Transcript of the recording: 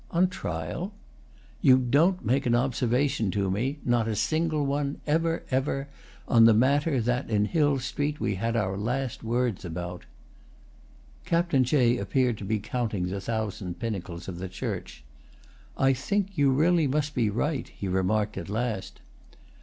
"On trial?" "You don't make an observation to me—not a single one, ever, ever!—on the matter that, in Hill Street, we had our last words about." Captain Jay appeared to be counting the thousand pinnacles of the church. "I think you really must be right," he remarked at last.